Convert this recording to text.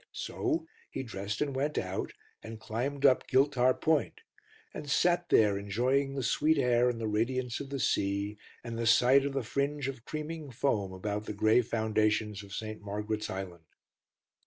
So he dressed and went out, and climbed up Giltar Point, and sat there enjoying the sweet air and the radiance of the sea, and the sight of the fringe of creaming foam about the grey foundations of St. Margaret's Island.